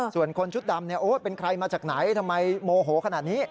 ส่วนคนชุดดำเป็นใครมาจากไหนทำไมโมโหขนาดนี้